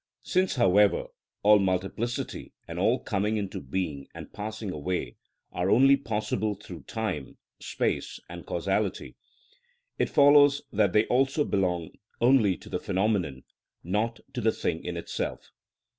Since, however, all multiplicity, and all coming into being and passing away, are only possible through time, space, and causality, it follows that they also belong only to the phenomenon, not to the thing in itself.